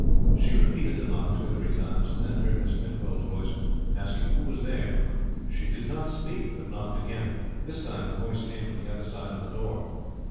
She repeated the knock two or three times, and then heard Miss Penfold's voice asking who was there. She did not speak, but knocked again. This time the voice came from the other side of the door.